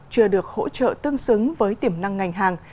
chưa được hỗ trợ tương xứng với tiềm năng ngành hàng